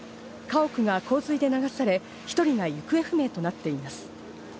家屋が洪水で流され、１人が行方不明となっています。